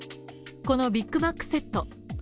このビッグマックセット。